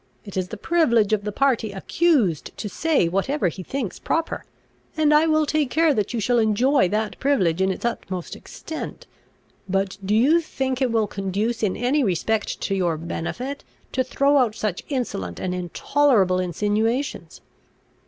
It is the privilege of the party accused to say whatever he thinks proper; and I will take care that you shall enjoy that privilege in its utmost extent. But do you think it will conduce in any respect to your benefit, to throw out such insolent and intolerable insinuations?"